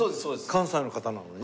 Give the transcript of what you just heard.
関西の方なのに？